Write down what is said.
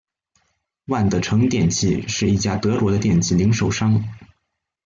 万得城电器是一家德国的电器零售商。